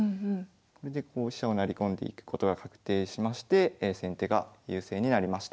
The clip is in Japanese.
それでこう飛車を成り込んでいくことが確定しまして先手が優勢になりました。